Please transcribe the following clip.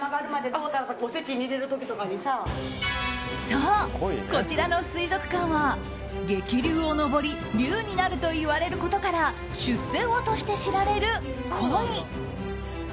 そう、こちらの水族館は激流を上り竜になるといわれることから出世魚として知られるコイ。